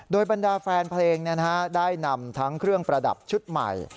โดยบรรดาแฟนเพลงได้นำทั้งเครื่องประดับชุดใหม่